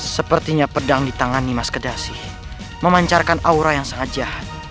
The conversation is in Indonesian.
sepertinya pedang di tangan nimas kedasi memancarkan aura yang sengaja